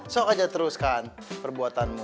sok aja terus kan perbuatanmu